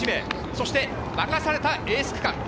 そして任されたエース区間。